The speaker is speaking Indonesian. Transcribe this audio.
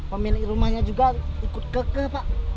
pemilik rumahnya juga ikut kekeh pak